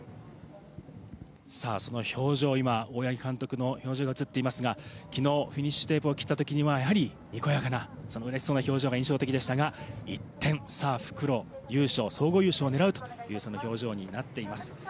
さぁ、その表情、今、大八木監督の表情が映っていますが、昨日フィニッシュテープを切った時にはやはり、にこやかな表情が印象的でしたが一転、復路、総合優勝を狙うというその表情になっています。